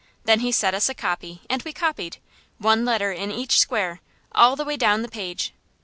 Then he set us a copy, and we copied, one letter in each square, all the way down the page.